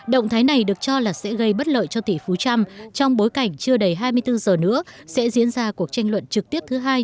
động thái này được cho là sẽ gây bất lợi cho tỷ phú trump trong bối cảnh chưa đầy hai mươi bốn giờ nữa sẽ diễn ra cuộc tranh luận trực tiếp thứ hai